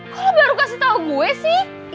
kok lo baru kasih tau gue sih